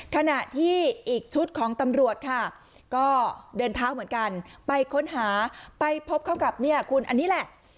ขณะที่อีกชุดของตำรวจค่ะก็เดินเท้าเหมือนกันไปค้นหาไปพบเข้ากับเนี่ยคุณอันนี้แหละ